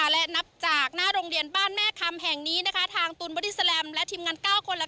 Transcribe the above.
และนับจากหน้าโรงเรียนบ้านแม่คำแห่งนี้นะคะทางตูนบอดี้แลมและทีมงาน๙คนละ